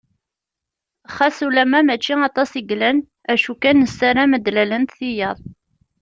Xas ulamma mačči aṭas i yellan, acu kan nessaram ad d-lalent tiyaḍ.